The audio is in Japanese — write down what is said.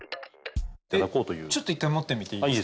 ちょっと一回持ってみていいですか？